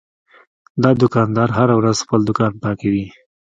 دا دوکاندار هره ورځ خپل دوکان پاکوي.